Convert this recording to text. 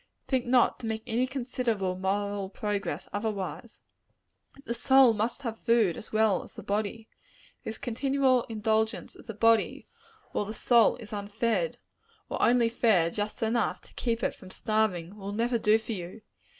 Think not to make any considerable moral progress, otherwise! The soul must have food, as well as the body. This continual indulgence of the body, while the soul is unfed, or only fed just enough to keep it from starving, will never do for you.